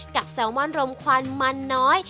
แซลมอนรมควันมันน้อย